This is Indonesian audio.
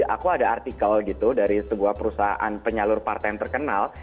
aku ada artikel gitu dari sebuah perusahaan penyalur partai yang terkenal